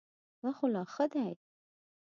دا خو لا ښه دی .